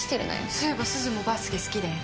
そういえばすずもバスケ好きだよね？